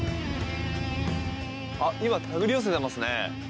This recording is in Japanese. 今、手繰り寄せてますね。